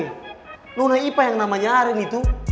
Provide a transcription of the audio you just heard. bener sekali ya luna ipa yang namanya arin itu